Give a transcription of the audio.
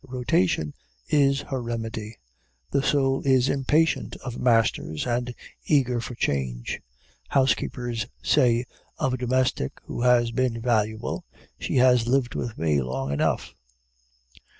Rotation is her remedy. The soul is impatient of masters, and eager for change. Housekeepers say of a domestic who has been valuable, "She had lived with me long enough."